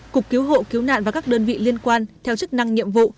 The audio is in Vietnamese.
cục cứu hộ cứu nạn và các đơn vị liên quan theo chức năng nhiệm vụ